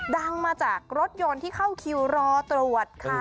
ดังมาจากรถยนต์ที่เข้าคิวรอตรวจค่ะ